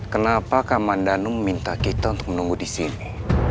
kenapa kamandanu meminta kita untuk menunggu di sini